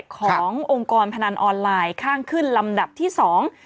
ขององค์กรพนันออนไลน์ข้างขึ้นลำดับที่สอง